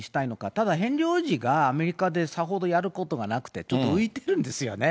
ただ、ヘンリー王子がアメリカでさほどやることがなくて、ちょっと浮いてるんですよね。